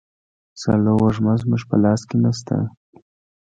سالو وږمه زموږ په لاس کي نسته.